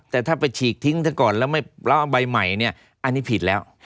แต่ถ้าไปฉีกทิ้งซะก่อนแล้วเอาใบใหม่เนี่ยอันนี้ผิดแล้ว